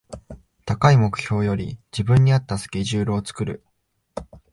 高い目標より自分に合ったスケジュールを作る